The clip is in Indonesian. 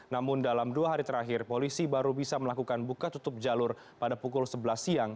namun dalam dua hari terakhir polisi baru bisa melakukan buka tutup jalur pada pukul sebelas siang